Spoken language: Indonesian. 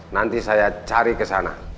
nanti saya cari ke sana